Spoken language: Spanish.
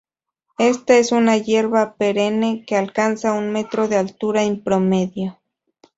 Esta es una hierba perenne que alcanza un metro de altura en promedio.